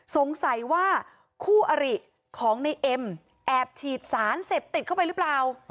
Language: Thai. สงสัยว่าคู่อริของในเอ็มแอบฉีดสารเสพติดเข้าไปหรือเปล่า